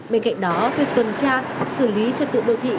bên cạnh đó việc tuần tra xử lý trật tự đô thị